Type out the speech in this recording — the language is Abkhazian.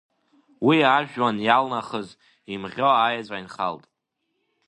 Уи ажәҩан иалнахыз, имӷьо аеҵәа инхалт.